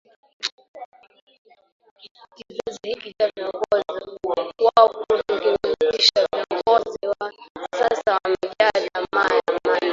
Kizazi hiki cha viongozi wa Uhuru kimekwisha Viongozi wa sasa wamejaa tamaa ya mali